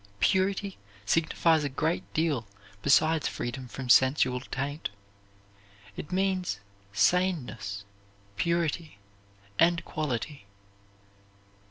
Purity signifies a great deal besides freedom from sensual taint. It means saneness, purity, and quality.